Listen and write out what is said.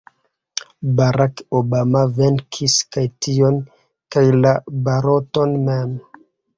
Barack Obama venkis kaj tion kaj la baloton mem.